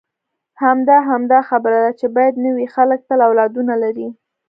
همدا، همدا خبره ده چې باید نه وي، خلک تل اولادونه لري.